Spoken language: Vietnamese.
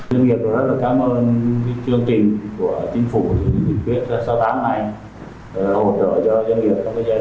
doanh nghiệp rất là cám ơn chương trình của chính phủ dịch viết ra sau tháng này hỗ trợ cho doanh nghiệp trong giai đoạn này